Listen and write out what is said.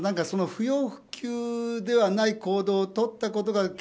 その不要不急ではない行動をとったこと。